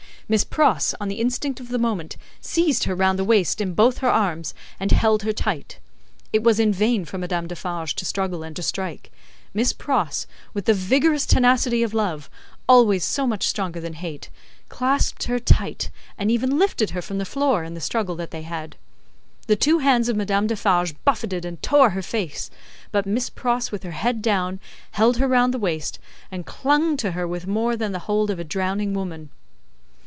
Miss Pross, on the instinct of the moment, seized her round the waist in both her arms, and held her tight. It was in vain for Madame Defarge to struggle and to strike; Miss Pross, with the vigorous tenacity of love, always so much stronger than hate, clasped her tight, and even lifted her from the floor in the struggle that they had. The two hands of Madame Defarge buffeted and tore her face; but, Miss Pross, with her head down, held her round the waist, and clung to her with more than the hold of a drowning woman.